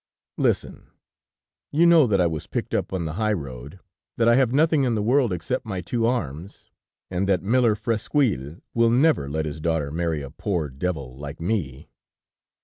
"Listen: you know that I was picked up on the high road, that I have nothing in the world except my two arms, and that Miller Fresquyl will never let his daughter marry a poor devil like me."